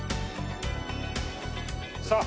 さあ